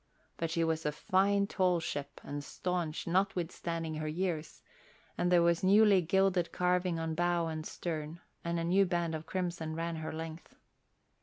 But she was a fine tall ship and staunch notwithstanding her years, and there was newly gilded carving on bow and stern and a new band of crimson ran her length.